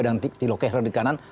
dan thielo kehrer di kanan